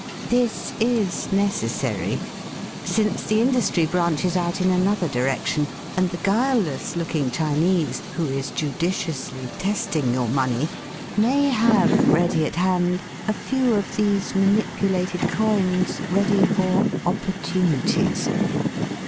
This is necessary, since the industry branches out in another direction, and the guileless looking Chinese, who is judicially testing your money, may have ready at hand a few of these manipulated coins ready for opportunities.